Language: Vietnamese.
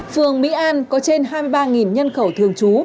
phường mỹ an có trên hai mươi ba nhân khẩu thường trú